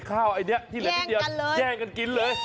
แต่ข้าวใส่ทีเดียวแย่งกันคิดเลย